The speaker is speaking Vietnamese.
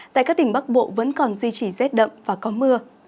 tại các tỉnh bắc bộ vẫn còn duy trì rét đậm và có mưa